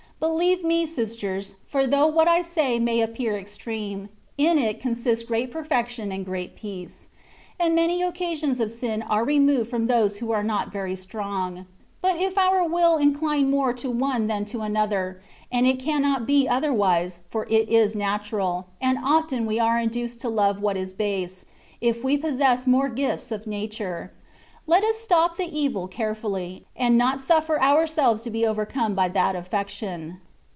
Believe me, sisters, for though what I say may appear extreme, in it consist great perfection and great peace ; and many occasions of sin are re moved from those who are not very strong. But if our will incline more to one than to another, (and it cannot be otherwise, for it is nat\u*al ; and often we are induced to love what is base, if we possess more gifts of nature), let us stop the evil carefully, and not suffer ourselves to be overcome by that affection.